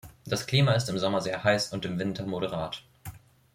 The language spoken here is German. Das Klima ist im Sommer sehr heiß und im Winter moderat.